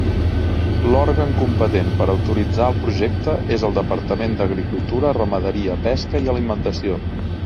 L'òrgan competent per autoritzar el projecte és el Departament d'Agricultura, Ramaderia, Pesca i Alimentació.